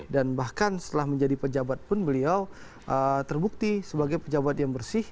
dan bahkan setelah menjadi pejabat pun beliau terbukti sebagai pejabat yang bersih